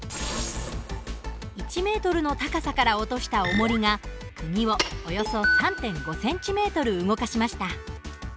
１ｍの高さから落としたおもりがくぎをおよそ３．５ｃｍ動かしました。